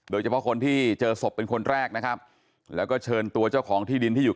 โดยเฉพาะคนที่เจอศพเป็นคนแรกนะครับแล้วก็เชิญตัวเจ้าของที่ดินที่อยู่